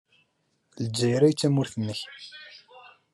D Lezzayer ay d tamurt-nnek.